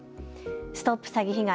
ＳＴＯＰ詐欺被害！